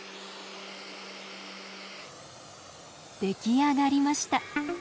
出来上がりました。